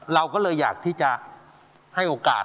เราก็เลยอยากที่จะให้โอกาส